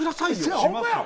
ホンマや！